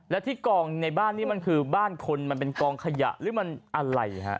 และที่กองในบ้านนี้มันคือบ้านคนมันเป็นกองขยะหรือมันอะไรฮะ